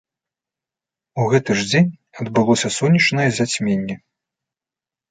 У гэты ж дзень адбылося сонечнае зацьменне.